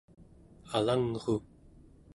alangru